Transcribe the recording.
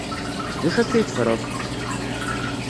D acu akka ay teffreḍ?